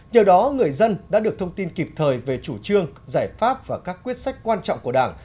nhờ đó người dân đã được thông tin kịp thời về chủ trương giải pháp và các quyết sách quan trọng của đảng